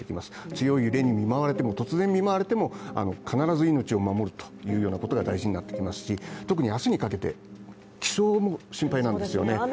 強い揺れに突然見舞われても、必ず命を守ることが大事になってきますし、特に明日にかけて、気象も心配なんですよね。